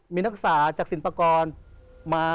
มีนักศึกษาจากศิลปากรมา